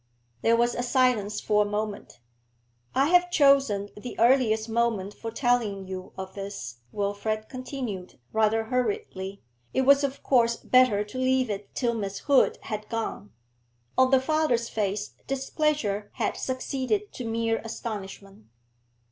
There was silence for a moment. 'I have chosen the earliest moment for telling you of this,' Wilfrid continued, rather hurriedly. 'It was of course better to leave it till Miss Hood had gone.' On the father's face displeasure had succeeded to mere astonishment.